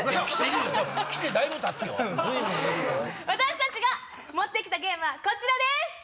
私たちが持って来たゲームはこちらです！